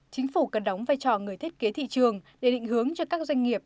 chính phủ cần đóng vai trò người thiết kế thị trường để định hướng cho các doanh nghiệp